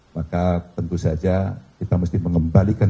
maka tentu saja kita mesti mengembalikan